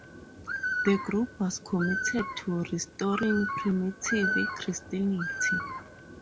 The group was committed to restoring primitive Christianity.